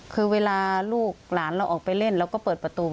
คือเวลาลูกหลานเราออกไปเล่นเราก็เปิดประตู